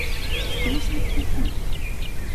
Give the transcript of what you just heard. Что же это такое?»